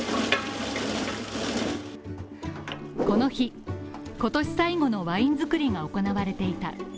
この日今年最後のワイン造りが行われていた。